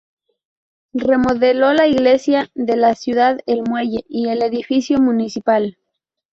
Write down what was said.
Remodeló la iglesia de la ciudad, el muelle y el edificio municipal.